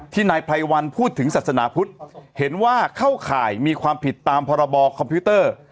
นายไพรวันพูดถึงศาสนาพุทธเห็นว่าเข้าข่ายมีความผิดตามพรบคอมพิวเตอร์